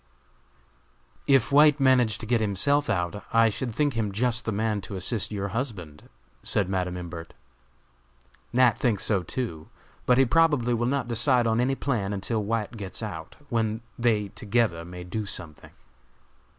"If White managed to get himself out, I should think him just the man to assist your husband," said Madam Imbert. "Nat. thinks so too; but he probably will not decide on any plan until White gets out, when they together may do something."